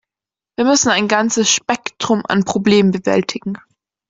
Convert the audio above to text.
Wir müssen ein ganzes Spektrum an Problemen bewältigen.